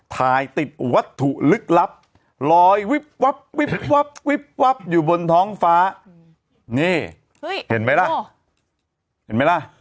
ถ่ายติดวัตถุลึกลับรอยหวับอยู่บนท้องฟ้านี่เห็นไหมล่ะไม่ล่ะ